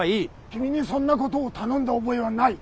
君にそんなことを頼んだ覚えはない。